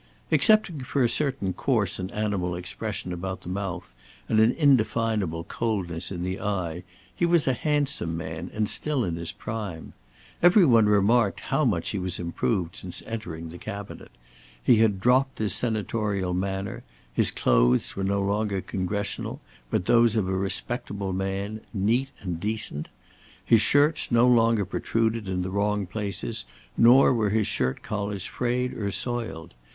Excepting for a certain coarse and animal expression about the mouth, and an indefinable coldness in the eye, he was a handsome man and still in his prime. Every one remarked how much he was improved since entering the Cabinet. He had dropped his senatorial manner. His clothes were no longer congressional, but those of a respectable man, neat and decent. His shirts no longer protruded in the wrong places, nor were his shirt collars frayed or soiled.